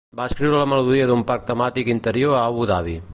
Va escriure la melodia d'un parc temàtic interior a Abu Dhabi.